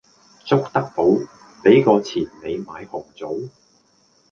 捉得到，俾個錢你買紅棗